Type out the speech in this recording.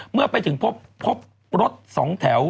เมื่อไปถึงพบรถสองแถว